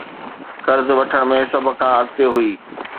قرض وٺڻ ۾ سنڌ سڀ کان اڳتي هئي